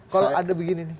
kalau ada begini nih